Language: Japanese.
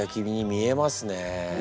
見えますか？